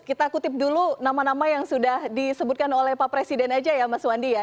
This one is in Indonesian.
kita kutip dulu nama nama yang sudah disebutkan oleh pak presiden aja ya mas wandi ya